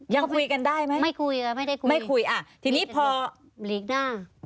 ยังคุยกันได้ไหมไม่คุยค่ะไม่ได้คุยไม่คุยอ่ะทีนี้พอหลีกหน้า